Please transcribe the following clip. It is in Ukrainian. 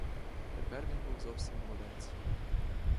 Тепер він був зовсім молодець.